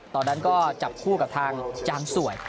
ตอนนั้นก็จับคู่กับทางจานสวย